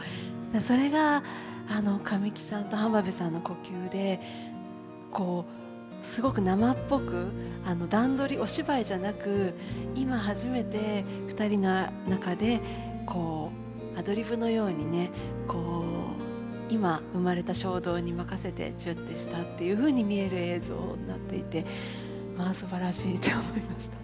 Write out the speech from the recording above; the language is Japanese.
それが神木さんと浜辺さんの呼吸でこうすごく生っぽく段取りお芝居じゃなく今初めて２人の中でこうアドリブのようにねこう今生まれた衝動に任せてチュッてしたっていうふうに見える映像になっていてまあすばらしいと思いました。